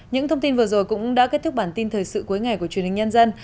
những thông tin vừa rồi cũng đã kết thúc bản tin thời sự cuối ngày của truyền hình nhân dân